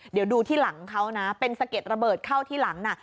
เดี๋ยวดูที่หลังเขานะเป็นสะเก็ดระเบิดเข้าที่หลังน่ะ